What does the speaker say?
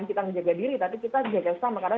kita menjaga diri tapi kita jaga sama karena